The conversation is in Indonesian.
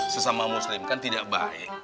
sesama muslim kan tidak baik